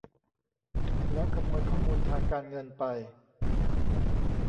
แล้วขโมยข้อมูลทางการเงินไป